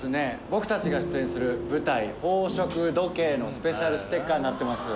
僕たちが出演する舞台「宝飾時計」のスペシャルステッカーになってます